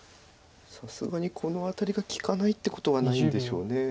さすがにこのアタリが利かないってことはないんでしょう。